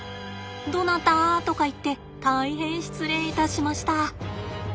どなたとか言って大変失礼いたしました。